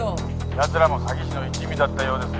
「奴らも詐欺師の一味だったようですね」